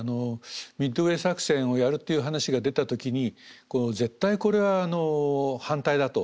ミッドウェー作戦をやるっていう話が出た時に絶対これは反対だと。